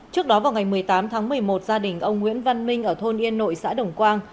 trước đó vào ngày một mươi tám tháng một mươi một gia đình ông nguyễn văn minh ở thôn yên nội xã đồng quang